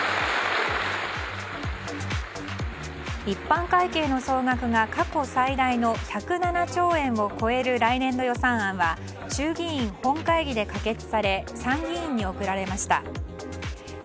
一般会計の総額が過去最大の１０７兆円を超える来年度予算案は衆議院本会議で可決され参議院に送られました。